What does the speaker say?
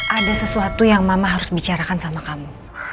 ada sesuatu yang mama harus bicarakan sama kamu